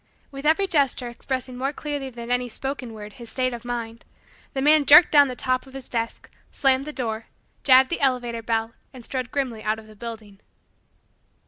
With every gesture expressing more clearly than any spoken word his state of mind, the man jerked down the top of his desk, slammed the door, jabbed the elevator bell, and strode grimly out of the building.